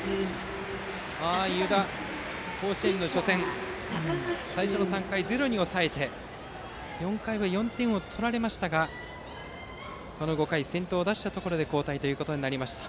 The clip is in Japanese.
湯田は甲子園の最初の３回をゼロに抑えて４回は４点取られましたがこの５回、先頭を出したところで交代となりました。